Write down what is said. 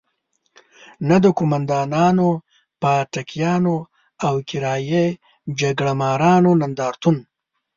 نه د قوماندانانو، پاټکیانو او کرايي جګړه مارانو نندارتون.